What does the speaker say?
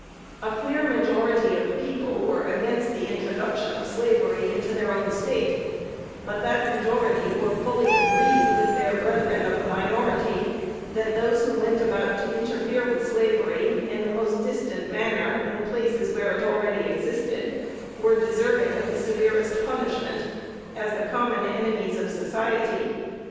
A clear majority of the people were against the introduction of slavery into their own State; but that majority were fully agreed with their brethren of the minority, that those who went about to interfere with slavery in the most distant manner in the places where it already existed were deserving of the severest punishment, as the common enemies of society.